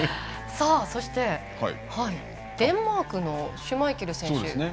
そしてデンマークのシュマイケル選手。